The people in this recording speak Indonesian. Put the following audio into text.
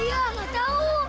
iya gak tahu